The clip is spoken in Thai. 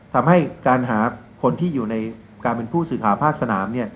ทำให้การหาคนที่อยู่ในการเป็นผู้สื่อหาภาคสนาม